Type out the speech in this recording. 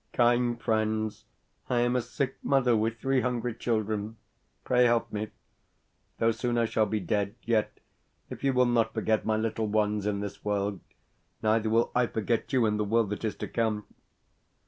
"Kind friends I am a sick mother with three hungry children. Pray help me. Though soon I shall be dead, yet, if you will not forget my little ones in this world, neither will I forget you in the world that is to come."